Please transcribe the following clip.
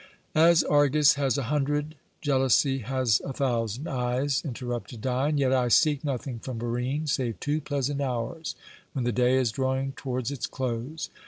"As Argus has a hundred, jealousy has a thousand eyes," interrupted Dion, "yet I seek nothing from Barine, save two pleasant hours when the day is drawing towards its close.